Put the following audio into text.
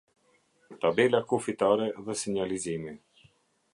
Tabela kufitare dhe sinjalizimi.